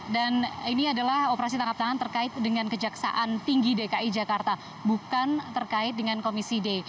dan ini adalah operasi tangkap tangan terkait dengan kejaksaan tinggi dki jakarta bukan terkait dengan komisi d